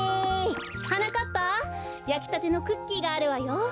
はなかっぱやきたてのクッキーがあるわよ。